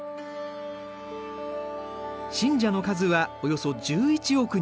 信者の数はおよそ１１億人。